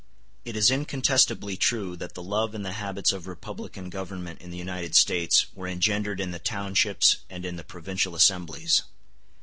It is incontestably true that the love and the habits of republican government in the United States were engendered in the townships and in the provincial assemblies.